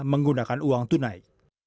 menggunakan uang tunai